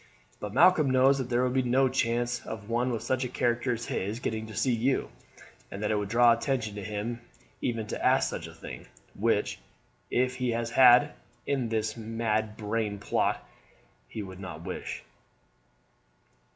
But Malcolm knows that there would be no chance of one with such a character as his getting to see you, and that it would draw attention to him even to ask such a thing, which, if he has a hand in this mad brain plot, he would not wish."